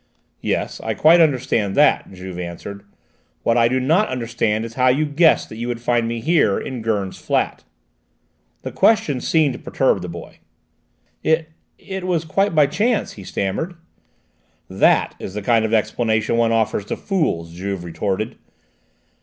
"Yes, I quite understand that," Juve answered. "What I do not understand is how you guessed that you would find me here, in Gurn's flat." The question seemed to perturb the boy. "It it was quite by chance," he stammered. "That is the kind of explanation one offers to fools," Juve retorted.